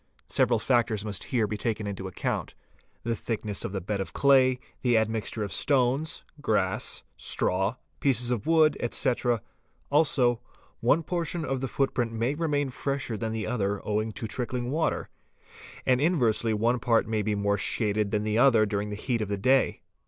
Several factors must here be taken into account. The thickness of the bed of clay, the admixture of stones, grass, straw, pieces of wood, etc.; also, one portion of the foot print may remain fresher than the other owing to trickling water, and — inversely one part may be more shaded than the other during the heat of ;: the day.